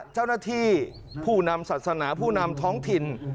เจ้าหน้าที่ผู้นำศาสนาผู้นำท้องถิ่น